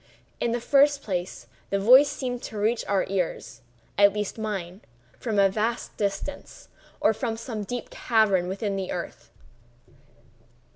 In the first place, the voice seemed to reach our ears—at least mine—from a vast distance, or from some deep cavern within the earth.